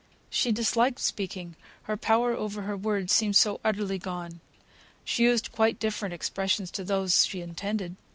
She disliked speaking, her power over her words seemed so utterly gone. She used quite different expressions to those she intended.